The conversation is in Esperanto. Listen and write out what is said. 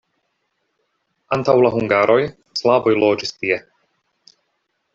Antaŭ la hungaroj slavoj loĝis tie.